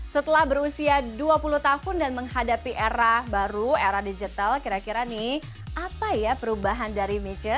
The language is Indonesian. setelah berusia dua puluh tahun dan menghadapi era baru era digital kira kira nih apa ya perubahan dari mature